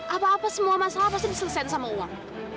apa apa semua masalah pasti diselesaikan sama uang